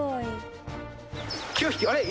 ９匹あれ？